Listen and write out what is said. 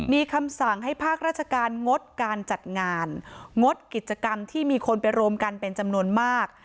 มีคำสั่งให้ภาคราชการงดการจัดงานงดกิจกรรมที่มีคนไปรวมกันเป็นจำนวนมาก